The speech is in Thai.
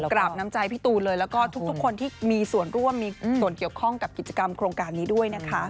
กราบน้ำใจพี่ตูนเลยแล้วก็ทุกคนที่มีส่วนร่วมมีส่วนเกี่ยวข้องกับกิจกรรมโครงการนี้ด้วยนะคะ